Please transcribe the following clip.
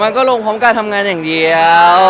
มันก็ลงพร้อมการทำงานอย่างเดียว